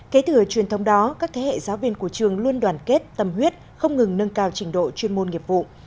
kế thừa truyền thông đó các thế hệ giáo viên của trường luôn đoàn kết tâm huyết không ngừng nâng cao trình độ chuyên môn nghiệp vụ